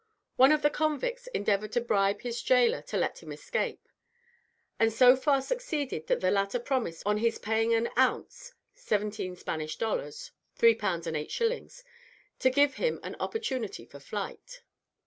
One of the convicts endeavoured to bribe his gaoler to let him escape, and so far succeeded that the latter promised on his paying an ounce (17 Spanish dollars 3 pounds 8s.) to give him an opportunity for flight.